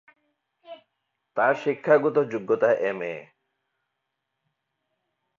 তার শিক্ষাগত যোগ্যতা এমএ।